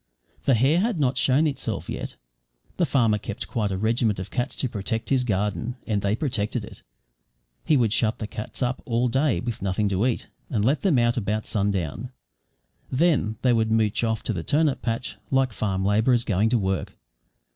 The hare had not shown itself yet. The farmer kept quite a regiment of cats to protect his garden and they protected it. He would shut the cats up all day with nothing to eat, and let them out about sundown; then they would mooch off to the turnip patch like farm labourers going to work.